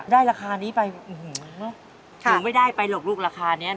ได้ราคานี้ไปอื้อหือไม่ได้ไปหลบลูกราคานี้